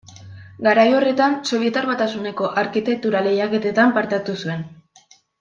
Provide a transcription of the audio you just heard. Garai horretan, Sobietar Batasuneko arkitektura-lehiaketetan parte hartu zuen.